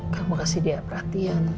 kamu kasih dia perhatian